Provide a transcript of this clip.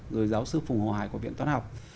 rồi giáo sư phùng hồ hải của viện toán học